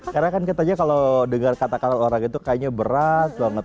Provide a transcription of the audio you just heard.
karena kan katanya kalau dengar kata kata olahraga itu kayaknya berat banget